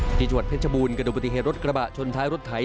จังหวัดเพชรบูรณกระดูกปฏิเหตุรถกระบะชนท้ายรถไถ